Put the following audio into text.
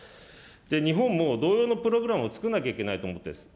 日本も同様のプログラムを作んなきゃいけないと思ってるんです。